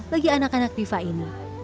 bagi anak anak diva ini